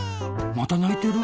またないてる。